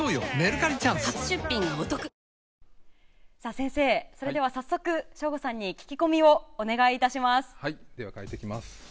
先生、それでは早速省吾さんに聞き込みをでは描いていきます。